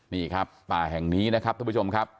นี่ครับป่าแห่งนี้นะครับท่านผู้ชมครับ